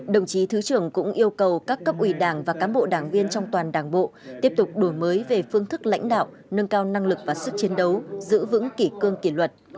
đồng chí thứ trưởng cũng yêu cầu các cấp ủy đảng và cán bộ đảng viên trong toàn đảng bộ tiếp tục đổi mới về phương thức lãnh đạo nâng cao năng lực và sức chiến đấu giữ vững kỷ cương kỷ luật